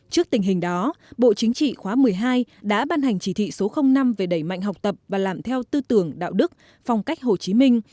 trước tình hình đó bộ chính trị khóa một mươi hai đã ban hành chỉ thị số năm về đẩy mạnh học tập và làm theo tư tưởng đạo đức phong cách hồ chí minh